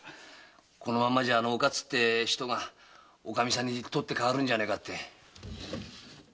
このままじゃあの“おかつ”がおかみさんに取って代わるんじゃねえかって。